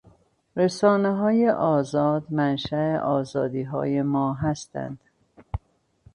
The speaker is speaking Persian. رسانههای آزاد منشا آزادیهای ما هستند.